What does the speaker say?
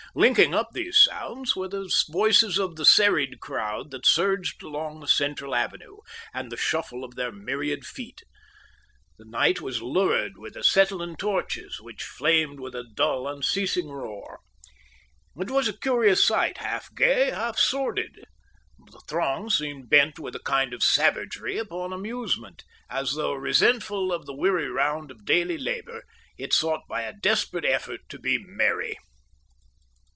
Linking up these sounds, were the voices of the serried crowd that surged along the central avenue, and the shuffle of their myriad feet. The night was lurid with acetylene torches, which flamed with a dull unceasing roar. It was a curious sight, half gay, half sordid. The throng seemed bent with a kind of savagery upon amusement, as though, resentful of the weary round of daily labour, it sought by a desperate effort to be merry.